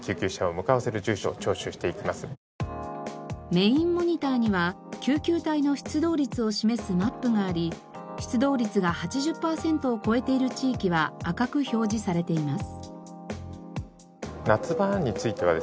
メインモニターには救急隊の出動率を示すマップがあり出動率が８０パーセントを超えている地域は赤く表示されています。